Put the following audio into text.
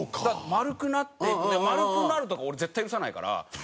丸くなっていくでも丸くなるとか俺絶対許さないから。